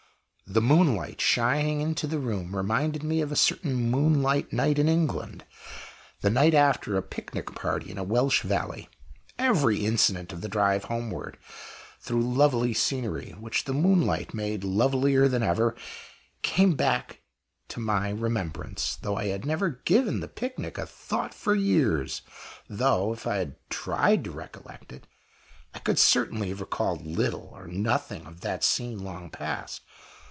The moonlight shining into the room reminded me of a certain moonlight night in England the night after a picnic party in a Welsh valley. Every incident of the drive homeward, through lovely scenery, which the moonlight made lovelier than ever, came back to my remembrance, though I had never given the picnic a thought for years; though, if I had tried to recollect it, I could certainly have recalled little or nothing of that scene long past.